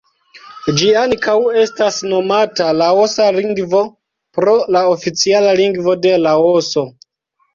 Ĝi ankaŭ estas nomata laosa lingvo pro la oficiala lingvo de Laoso.